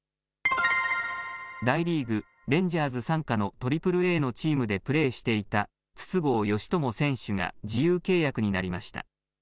大リーグ、レンジャーズ傘下の３Ａのチームでプレーしていた筒香嘉智選手が自由契約になりました。